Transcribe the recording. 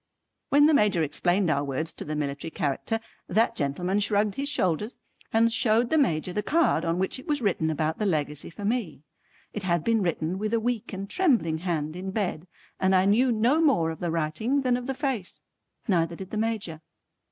When the Major explained our words to the military character, that gentleman shrugged his shoulders and showed the Major the card on which it was written about the Legacy for me. It had been written with a weak and trembling hand in bed, and I knew no more of the writing than of the face. Neither did the Major.